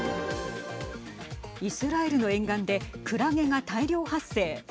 イスラエルの沿岸でクラゲが大量発生。